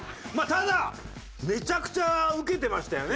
ただめちゃくちゃウケてましたよね？